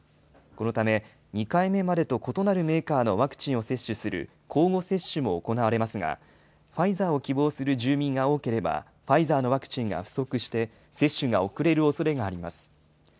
このため２回目までと異なるメーカーのワクチンを接種する、交互接種も行われますが、ファイザーを希望する住民が多ければ、ファイザーのワクチンが不足して、接種が遅れるおそれがあります。